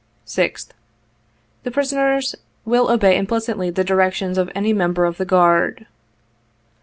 " 6th. — The prisoners will obey implicitly the directions of any member of the guard.